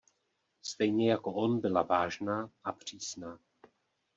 Stejně jako on byla vážná a přísná.